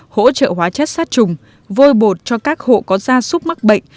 hỗ trợ hóa chất sát trùng vôi bột cho các hộ có gia súc mắc bệnh